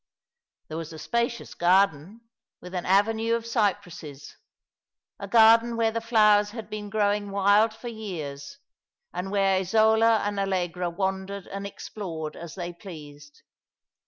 There was a spacious garden, with an avenue of cypresses — a garden where the flowers had been growing wild for years, and where Isola and Allegra wandered and explored as they pleased.